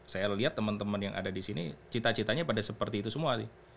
saya lihat teman teman yang ada di sini cita citanya pada seperti itu semua sih